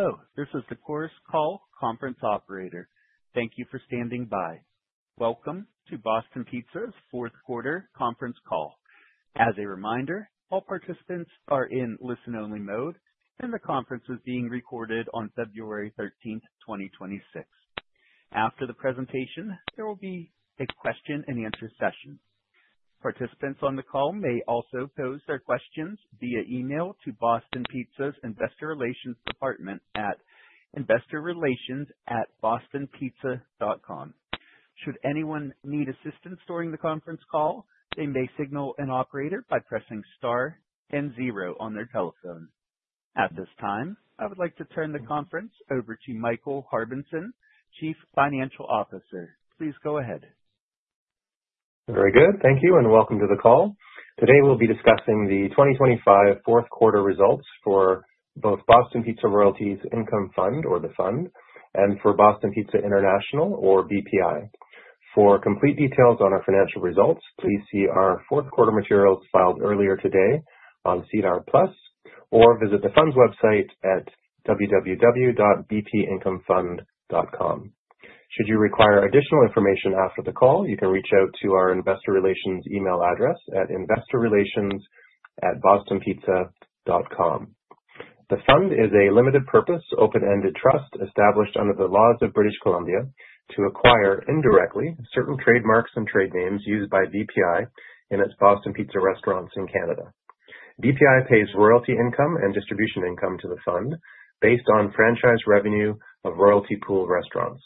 Hello, this is the Chorus Call Conference Operator. Thank you for standing by. Welcome to Boston Pizza's Fourth Quarter Conference Call. As a reminder, all participants are in listen-only mode, and the conference is being recorded on February 13, 2026. After the presentation, there will be a question-and-answer session. Participants on the call may also pose their questions via email to Boston Pizza's Investor Relations Department at investorrelations@bostonpizza.com. Should anyone need assistance during the conference call, they may signal an operator by pressing star and zero on their telephone. At this time, I would like to turn the conference over to Michael Harbinson, Chief Financial Officer. Please go ahead. Very good. Thank you, and welcome to the call. Today we'll be discussing the 2025 fourth quarter results for both Boston Pizza Royalties Income Fund or the Fund, and for Boston Pizza International or BPI. For complete details on our financial results, please see our fourth quarter materials filed earlier today on SEDAR+, or visit the Fund's website at www.bpincomefund.com. Should you require additional information after the call, you can reach out to our investor relations email address at investorrelations@bostonpizza.com. The Fund is a limited purpose, open-ended trust established under the laws of British Columbia to acquire indirectly certain trademarks and trade names used by BPI in its Boston Pizza restaurants in Canada. BPI pays royalty income and distribution income to the Fund based on franchise revenue of Royalty Pool restaurants.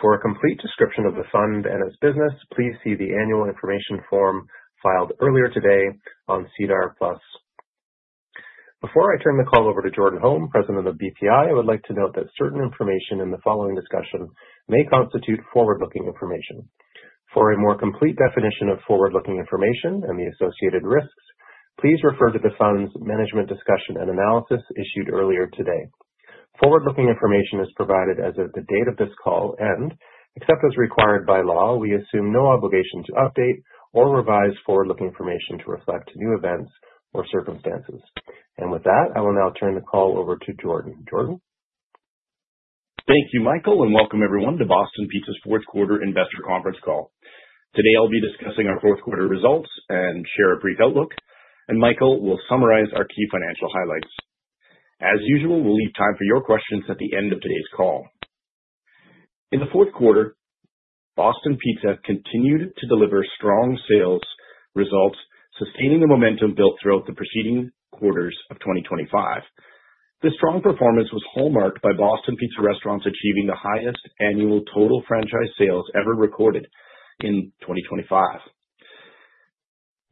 For a complete description of the Fund and its business, please see the annual information form filed earlier today on SEDAR+. Before I turn the call over to Jordan Holm, President of BPI, I would like to note that certain information in the following discussion may constitute forward-looking information. For a more complete definition of forward-looking information and the associated risks, please refer to the Fund's management discussion and analysis issued earlier today. Forward-looking information is provided as of the date of this call, and except as required by law, we assume no obligation to update or revise forward-looking information to reflect new events or circumstances. With that, I will now turn the call over to Jordan. Jordan? Thank you, Michael, and welcome everyone to Boston Pizza's fourth quarter investor conference call. Today I'll be discussing our fourth quarter results and share a brief outlook, and Michael will summarize our key financial highlights. As usual, we'll leave time for your questions at the end of today's call. In the fourth quarter, Boston Pizza continued to deliver strong sales results, sustaining the momentum built throughout the preceding quarters of 2025. The strong performance was hallmarked by Boston Pizza restaurants achieving the highest annual total franchise sales ever recorded in 2025.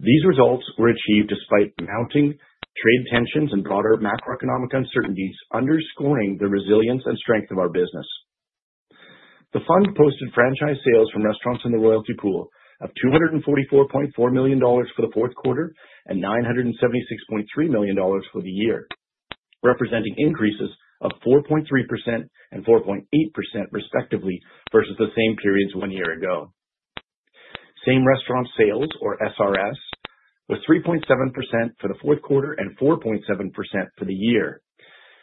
These results were achieved despite mounting trade tensions and broader macroeconomic uncertainties, underscoring the resilience and strength of our business. The Fund posted franchise sales from restaurants in the Royalty Pool of 244.4 million dollars for the fourth quarter and 976.3 million dollars for the year, representing increases of 4.3% and 4.8% respectively versus the same periods one year ago. Same-restaurant sales, or SRS, was 3.7% for the fourth quarter and 4.7% for the year.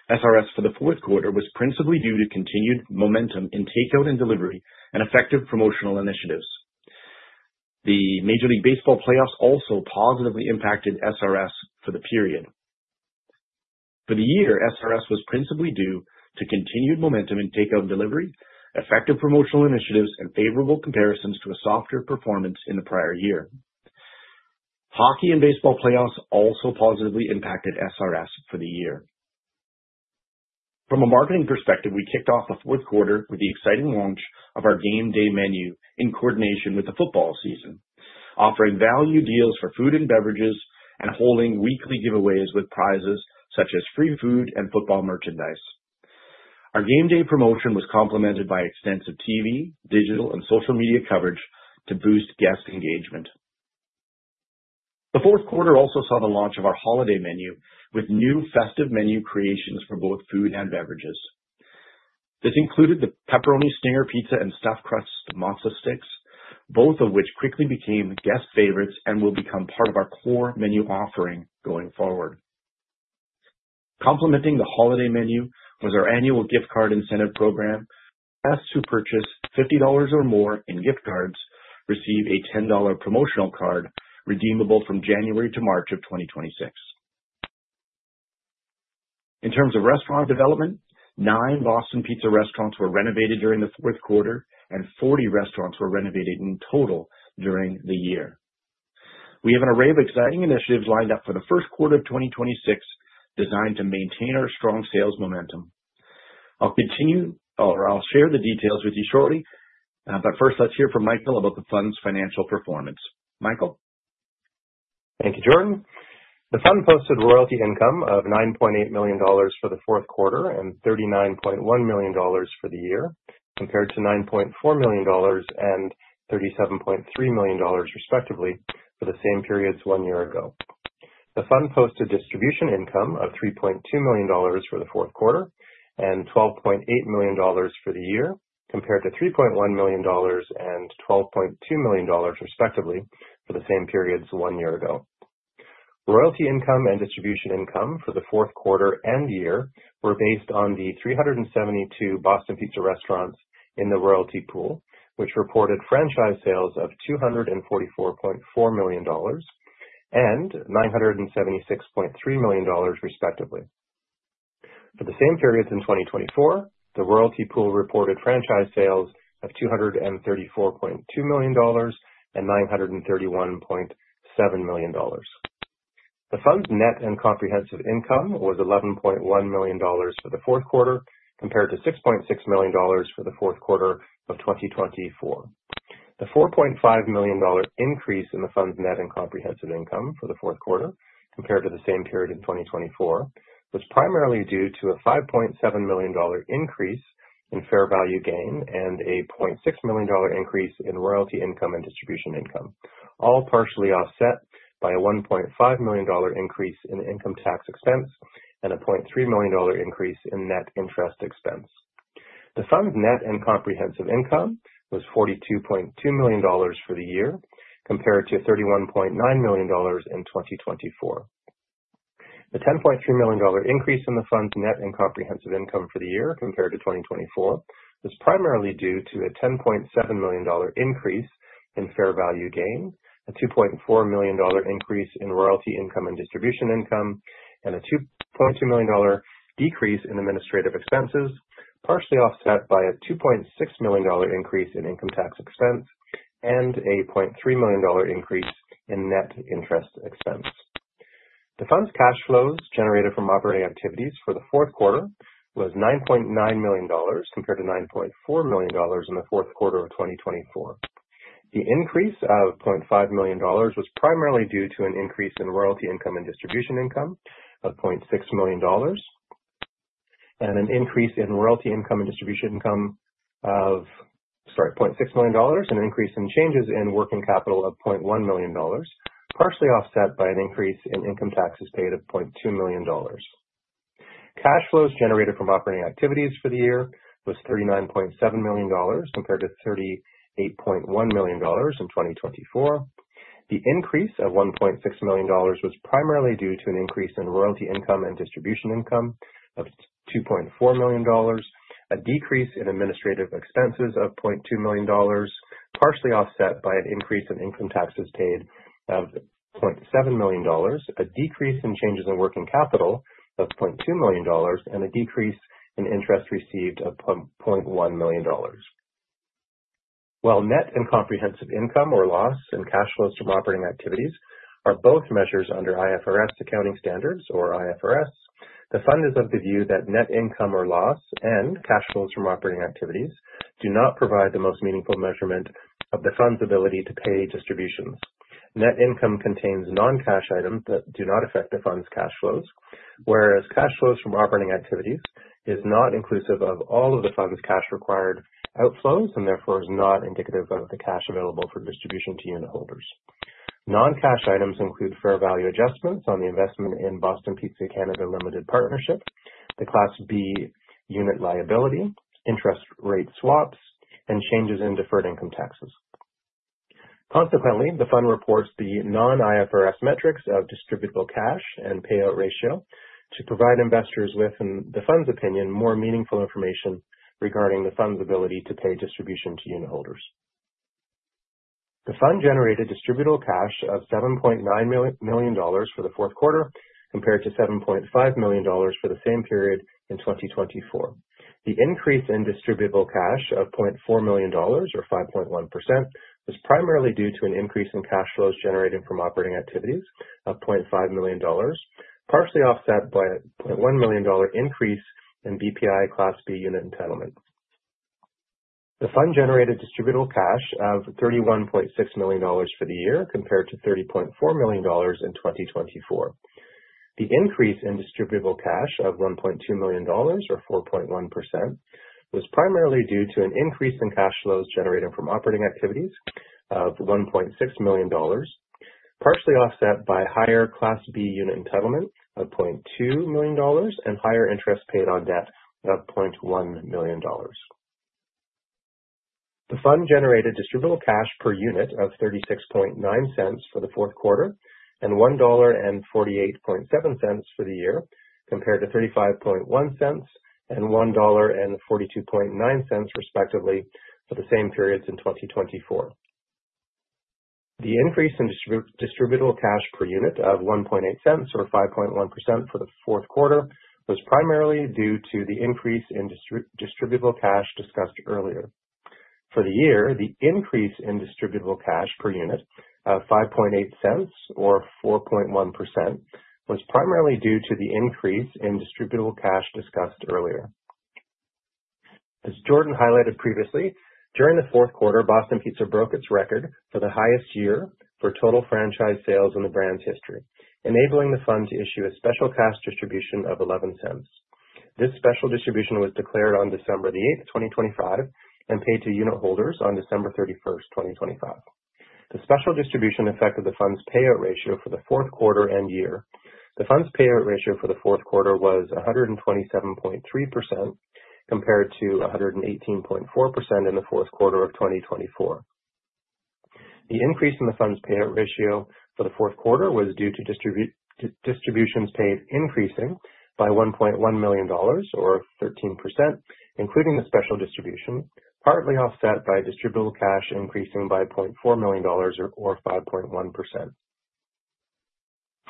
SRS for the fourth quarter was principally due to continued momentum in takeout and delivery and effective promotional initiatives. The Major League Baseball playoffs also positively impacted SRS for the period. For the year, SRS was principally due to continued momentum in takeout and delivery, effective promotional initiatives and favorable comparisons to a softer performance in the prior year. Hockey and baseball playoffs also positively impacted SRS for the year. From a marketing perspective, we kicked off the fourth quarter with the exciting launch of our Game Day menu in coordination with the football season, offering value deals for food and beverages and holding weekly giveaways with prizes such as free food and football merchandise. Our Game Day promotion was complemented by extensive TV, digital, and social media coverage to boost guest engagement. The fourth quarter also saw the launch of our holiday menu, with new festive menu creations for both food and beverages. This included the Pepperoni Stinger Pizza and Stuffed Crust Mozza Sticks, both of which quickly became guest favorites and will become part of our core menu offering going forward. Complementing the holiday menu was our annual gift card incentive program. Guests who purchased 50 dollars or more in gift cards receive a 10 dollar promotional card redeemable from January to March of 2026. In terms of restaurant development, nine Boston Pizza restaurants were renovated during the fourth quarter and 40 restaurants were renovated in total during the year. We have an array of exciting initiatives lined up for the first quarter of 2026, designed to maintain our strong sales momentum. I'll continue or I'll share the details with you shortly, but first, let's hear from Michael about the Fund's financial performance. Michael? Thank you, Jordan. The Fund posted royalty income of 9.8 million dollars for the fourth quarter and 39.1 million dollars for the year, compared to 9.4 million dollars and 37.3 million dollars, respectively, for the same periods one year ago. The Fund posted distribution income of 3.2 million dollars for the fourth quarter and 12.8 million dollars for the year, compared to 3.1 million dollars and 12.2 million dollars, respectively, for the same periods one year ago. Royalty income and distribution income for the fourth quarter and year were based on the 372 Boston Pizza restaurants in the Royalty Pool, which reported franchise sales of 244.4 million dollars and 976.3 million dollars, respectively. For the same periods in 2024, the Royalty Pool reported franchise Sales of 234.2 million dollars and 931.7 million dollars. The Fund's net and comprehensive income was 11.1 million dollars for the fourth quarter, compared to 6.6 million dollars for the fourth quarter of 2024. The 4.5 million dollar increase in the Fund's net and comprehensive income for the fourth quarter, compared to the same period in 2024, was primarily due to a 5.7 million dollar increase in fair value gain and a 0.6 million dollar increase in royalty income and distribution income, all partially offset by a 1.5 million dollar increase in income tax expense and a 0.3 million dollar increase in net interest expense. The Fund's net and comprehensive income was 42.2 million dollars for the year, compared to 31.9 million dollars in 2024. The 10.3 million dollar increase in the Fund's net and comprehensive income for the year compared to 2024, was primarily due to a 10.7 million dollar increase in fair value gains, a 2.4 million dollar increase in royalty income and distribution income, and a 2.2 million dollar decrease in administrative expenses, partially offset by a 2.6 million dollar increase in income tax expense and a 0.3 million dollar increase in net interest expense. The Fund's cash flows generated from operating activities for the fourth quarter was 9.9 million dollars, compared to 9.4 million dollars in the fourth quarter of 2024. The increase of 0.5 million dollars was primarily due to an increase in royalty income and distribution income of 0.6 million dollars, and an increase in royalty income and distribution income of, sorry, 0.6 million dollars, and an increase in changes in working capital of 0.1 million dollars, partially offset by an increase in income taxes paid of 0.2 million dollars. Cash flows generated from operating activities for the year was 39.7 million dollars, compared to 38.1 million dollars in 2024. The increase of 1.6 million dollars was primarily due to an increase in royalty income and distribution income of 2.4 million dollars, a decrease in administrative expenses of 0.2 million dollars, partially offset by an increase in income taxes paid of 0.7 million dollars, a decrease in changes in working capital of 0.2 million dollars, and a decrease in interest received of 0.1 million dollars. While net and comprehensive income or loss and cash flows from operating activities are both measures under IFRS accounting standards or IFRS, the Fund is of the view that net income or loss and cash flows from operating activities do not provide the most meaningful measurement of the Fund's ability to pay distributions. Net income contains non-cash items that do not affect the Fund's cash flows, whereas cash flows from operating activities is not inclusive of all of the Fund's cash required outflows and therefore is not indicative of the cash available for distribution to unitholders. Non-cash items include fair value adjustments on the investment in Boston Pizza Canada Limited Partnership, the Class B Unit liability, interest rate swaps, and changes in deferred income taxes. Consequently, the Fund reports the non-IFRS metrics of Distributable Cash and payout ratio to provide investors with, in the Fund's opinion, more meaningful information regarding the Fund's ability to pay distribution to unitholders. The Fund generated Distributable Cash of 7.9 million dollars for the fourth quarter, compared to 7.5 million dollars for the same period in 2024. The increase in Distributable Cash of 0.4 million dollars or was primarily due to an increase in cash flows generated from operating activities of 0.5 million dollars, partially offset by a CAD 0.1 million increase in BPI Class B Unit entitlement. The Fund generated Distributable Cash of 31.6 million dollar for the year, compared to 30.4 million in 2024. The increase in Distributable Cash of CAD 1.2 million or 4.1%, was primarily due to an increase in cash flows generated from operating activities of 1.6 million dollars, partially offset by higher Class B Unit entitlement of 0.2 million dollars and higher interest paid on debt of 0.1 million dollars. The Fund generated Distributable Cash per unit of 0.369 for the fourth quarter and 1.487 dollar for the year, compared to 0.351 and 1.429 dollar, respectively, for the same periods in 2024. The increase in Distributable Cash per unit of 0.018 or 5.1% for the fourth quarter was primarily due to the increase in Distributable Cash discussed earlier. For the year, the increase in Distributable Cash per unit of 0.058 or 4.1% was primarily due to the increase in Distributable Cash discussed earlier. As Jordan highlighted previously, during the fourth quarter, Boston Pizza broke its record for the highest year for total franchise sales in the brand's history, enabling the Fund to issue a special cash distribution of 0.11. This special distribution was declared on December 8, 2025, and paid to unitholders on December 31, 2025. The special distribution affected the Fund's payout ratio for the fourth quarter and year. The Fund's payout ratio for the fourth quarter was 127.3%, compared to 118.4% in the fourth quarter of 2024. The increase in the Fund's payout ratio for the fourth quarter was due to distributions paid increasing by 1.1 million dollars or 13%, including the special distribution, partly offset by Distributable Cash increasing by 0.4 million dollars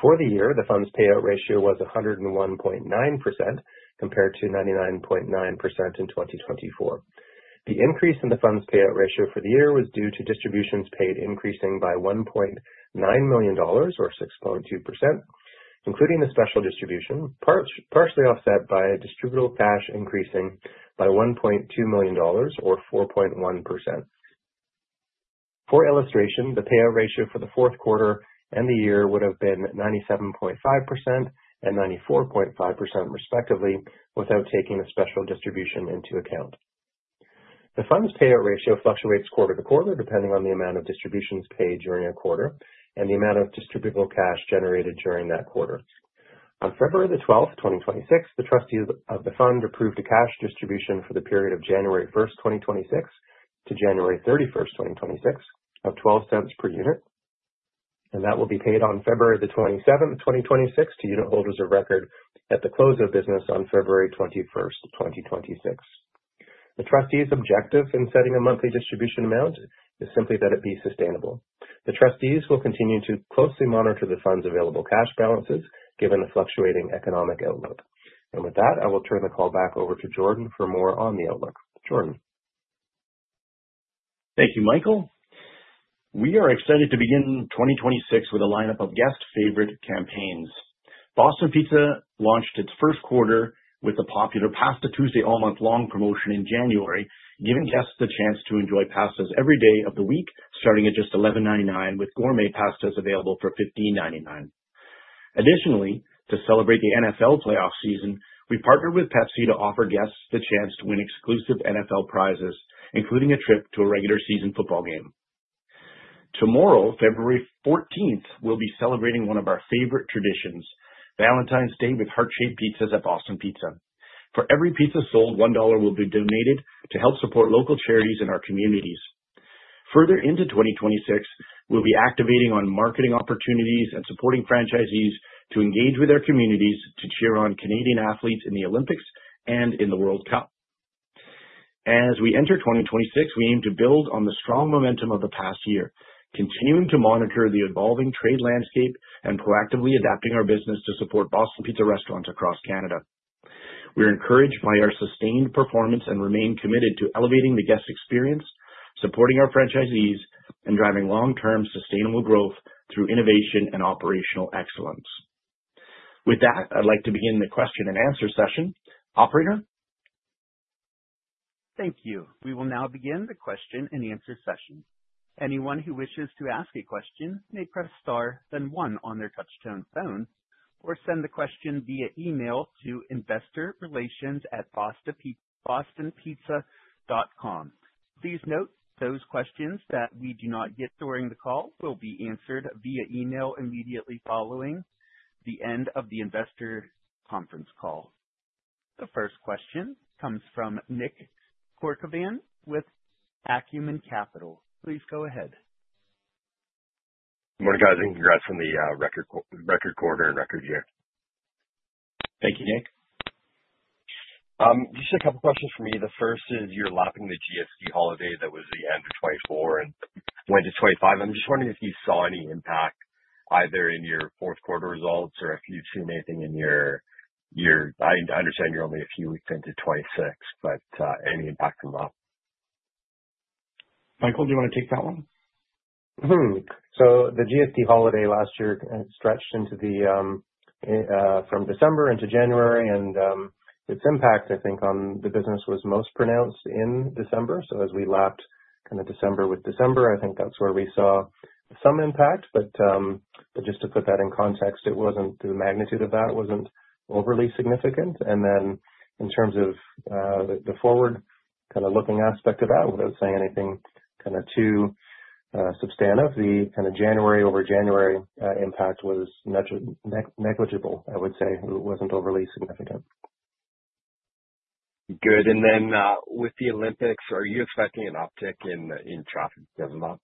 or 5.1%. For the year, the Fund's payout ratio was 101.9%, compared to 99.9% in 2024. The increase in the Fund's payout ratio for the year was due to distributions paid increasing by 1.9 million dollars, or 6.2%, including the special distribution, partially offset by Distributable Cash increasing by 1.2 million dollars or 4.1%. For illustration, the payout ratio for the fourth quarter and the year would have been 97.5% and 94.5%, respectively, without taking the special distribution into account. The Fund's payout ratio fluctuates quarter to quarter, depending on the amount of distributions paid during a quarter and the amount of Distributable Cash generated during that quarter. On February 12, 2026, the trustees of the Fund approved a cash distribution for the period of January 1, 2026, to January 31, 2026, of 0.12 per unit, and that will be paid on February 27, 2026, to unitholders of record at the close of business on February 21, 2026. The trustees' objective in setting a monthly distribution amount is simply that it be sustainable. The trustees will continue to closely monitor the Fund's available cash balances given the fluctuating economic outlook. With that, I will turn the call back over to Jordan for more on the outlook. Jordan? Thank you, Michael. We are excited to begin 2026 with a lineup of guest favorite campaigns. Boston Pizza launched its first quarter with the popular Pasta Tuesday all month long promotion in January, giving guests the chance to enjoy pastas every day of the week, starting at just 11.99, with gourmet pastas available for 15.99. Additionally, to celebrate the NFL playoff season, we partnered with Pepsi to offer guests the chance to win exclusive NFL prizes, including a trip to a regular season football game. Tomorrow, February 14th, we'll be celebrating one of our favorite traditions, Valentine's Day, with heart-shaped pizzas at Boston Pizza. For every pizza sold, 1 dollar will be donated to help support local charities in our communities. Further into 2026, we'll be activating on marketing opportunities and supporting franchisees to engage with their communities to cheer on Canadian athletes in the Olympics and in the World Cup. As we enter 2026, we aim to build on the strong momentum of the past year, continuing to monitor the evolving trade landscape and proactively adapting our business to support Boston Pizza restaurants across Canada. We are encouraged by our sustained performance and remain committed to elevating the guest experience, supporting our franchisees, and driving long-term sustainable growth through innovation and operational excellence. With that, I'd like to begin the question and answer session. Operator? Thank you. We will now begin the question and answer session. Anyone who wishes to ask a question may press star then one on their touchtone phone, or send the question via email to investorrelations@bostonpizza.com. Please note, those questions that we do not get during the call will be answered via email immediately following the end of the investor conference call. The first question comes from Nick Corcoran with Acumen Capital. Please go ahead. Morning, guys, and congrats on the record quarter and record year. Thank you, Nick. Just a couple questions for me. The first is you're lapping the GST Holiday that was the end of 2024 and went to 2025. I'm just wondering if you saw any impact either in your fourth quarter results or if you've seen anything in your. I understand you're only a few weeks into 2026, but any impact from that? Michael, do you want to take that one? So the GST Holiday last year stretched from December into January, and its impact, I think, on the business was most pronounced in December. So as we lapped kind of December with December, I think that's where we saw some impact. But just to put that in context, it wasn't, the magnitude of that wasn't overly significant. And then in terms of the forward kind of looking aspect of that, without saying anything kind of too substantive, the kind of January over January impact was negligible, I would say. It wasn't overly significant. Good. And then, with the Olympics, are you expecting an uptick in traffic this month?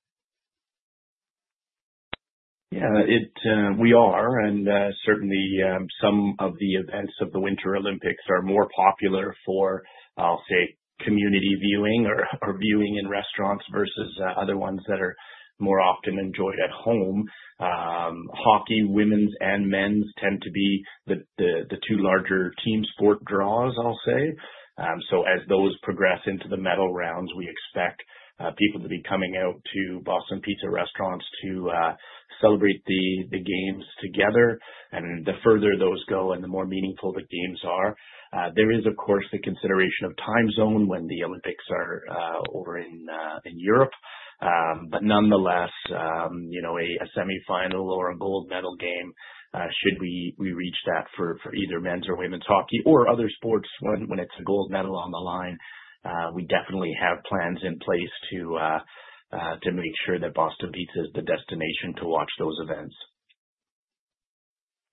Yeah, it, we are. And, certainly, some of the events of the Winter Olympics are more popular for, I'll say, community viewing or viewing in restaurants versus other ones that are more often enjoyed at home. Hockey, women's and men's, tend to be the two larger team sport draws, I'll say. So as those progress into the medal rounds, we expect people to be coming out to Boston Pizza restaurants to celebrate the games together. And the further those go and the more meaningful the games are, there is, of course, the consideration of time zone when the Olympics are over in Europe. But nonetheless, you know, a semifinal or a gold medal game, should we reach that for either men's or women's hockey or other sports when it's a gold medal on the line. We definitely have plans in place to make sure that Boston Pizza is the destination to watch those events.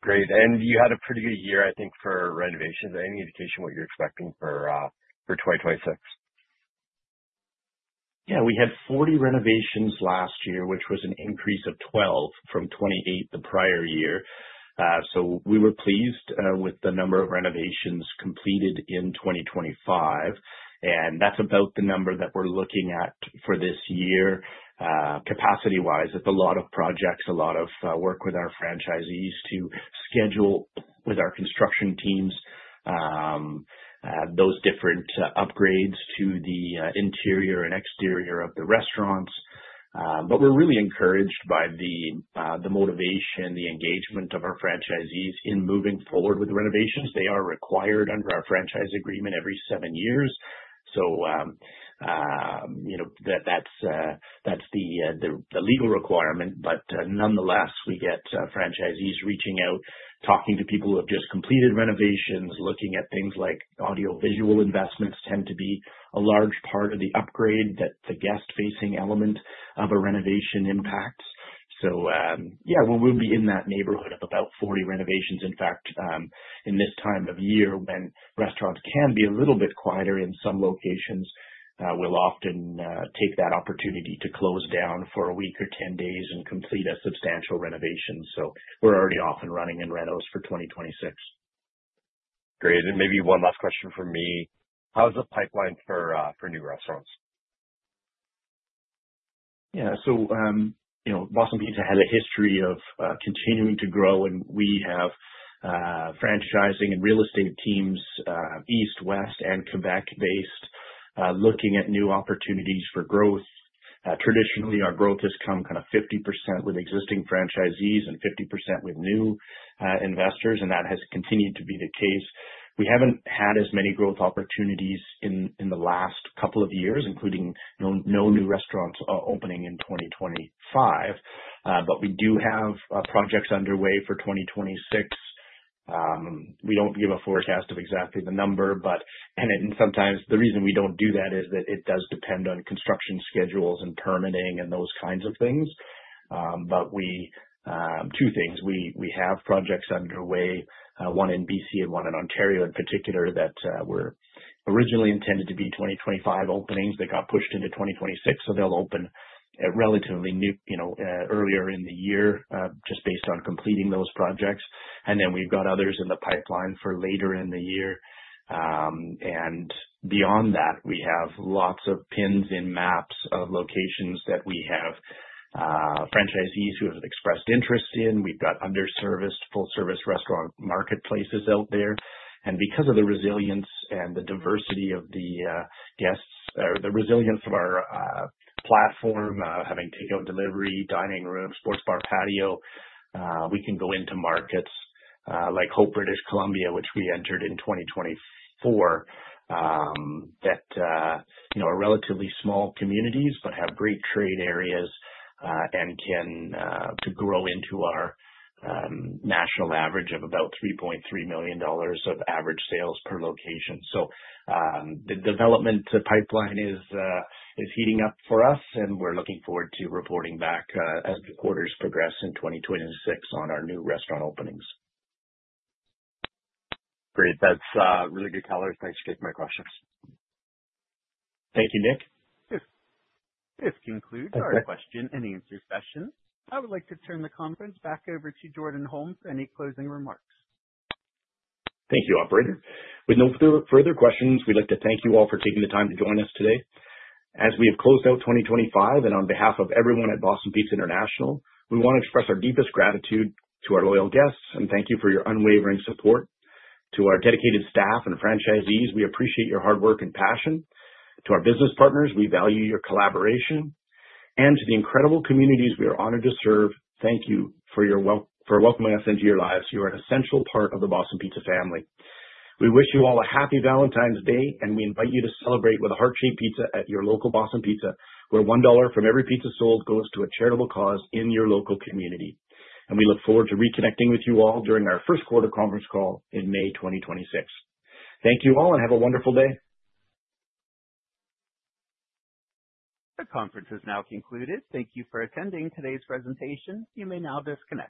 Great. You had a pretty good year, I think, for renovations. Any indication what you're expecting for 2026? Yeah. We had 40 renovations last year, which was an increase of 12 from 28 the prior year. So we were pleased with the number of renovations completed in 2025, and that's about the number that we're looking at for this year. Capacity-wise, it's a lot of projects, a lot of work with our franchisees to schedule with our construction teams those different upgrades to the interior and exterior of the restaurants. But we're really encouraged by the motivation, the engagement of our franchisees in moving forward with the renovations. They are required under our franchise agreement every seven years. So you know, that's the legal requirement. But, nonetheless, we get, franchisees reaching out, talking to people who have just completed renovations, looking at things like audio visual investments tend to be a large part of the upgrade that the guest-facing element of a renovation impacts. So, yeah, we'll, we'll be in that neighborhood of about 40 renovations. In fact, in this time of year, when restaurants can be a little bit quieter in some locations, we'll often, take that opportunity to close down for a week or 10 days and complete a substantial renovation. So we're already off and running in renos for 2026. Great. Maybe one last question from me. How's the pipeline for new restaurants? Yeah. So, you know, Boston Pizza has a history of continuing to grow, and we have franchising and real estate teams east, west, and Quebec-based looking at new opportunities for growth. Traditionally, our growth has come kind of 50% with existing franchisees and 50% with new investors, and that has continued to be the case. We haven't had as many growth opportunities in the last couple of years, including no new restaurants opening in 2025. But we do have projects underway for 2026. We don't give a forecast of exactly the number, but—and then sometimes the reason we don't do that is that it does depend on construction schedules and permitting and those kinds of things. But we two things, we have projects underway, one in BC and one in Ontario in particular, that were originally intended to be 2025 openings that got pushed into 2026. So they'll open at relatively new, you know, earlier in the year, just based on completing those projects. And then we've got others in the pipeline for later in the year. And beyond that, we have lots of pins in maps of locations that we have franchisees who have expressed interest in. We've got underserviced, full-service restaurant marketplaces out there. Because of the resilience and the diversity of the guests, or the resilience of our platform, having takeout, delivery, dining room, sports bar, patio, we can go into markets like Hope, British Columbia, which we entered in 2024, that you know are relatively small communities, but have great trade areas, and can to grow into our national average of about 3.3 million dollars of average sales per location. So the development pipeline is heating up for us, and we're looking forward to reporting back as the quarters progress in 2026 on our new restaurant openings. Great. That's really good color. Thanks for taking my questions. Thank you, Nick. This concludes our question-and-answer session. I would like to turn the conference back over to Jordan Holm. Any closing remarks? Thank you, Operator. With no further questions, we'd like to thank you all for taking the time to join us today. As we have closed out 2025, and on behalf of everyone at Boston Pizza International, we want to express our deepest gratitude to our loyal guests, and thank you for your unwavering support. To our dedicated staff and franchisees, we appreciate your hard work and passion. To our business partners, we value your collaboration, and to the incredible communities we are honored to serve, thank you for your for welcoming us into your lives. You are an essential part of the Boston Pizza family. We wish you all a happy Valentine's Day, and we invite you to celebrate with a heart-shaped pizza at your local Boston Pizza, where 1 dollar from every pizza sold goes to a charitable cause in your local community. We look forward to reconnecting with you all during our first quarter conference call in May 2026. Thank you all, and have a wonderful day. The conference is now concluded. Thank you for attending today's presentation. You may now disconnect.